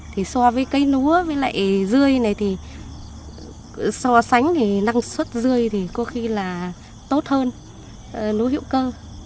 thì so với cây núa với lại dươi này thì so sánh năng suất dươi thì có khi là tốt hơn núi hữu cơ